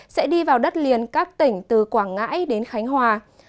sẽ đi vào đất liền các tỉnh từ quảng ngãi đến khánh hòa